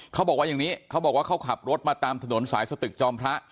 เขาบอกว่าอย่างนี้เขาบอกว่าเขาขับรถมาตามถนนสายสตึกจอมพระ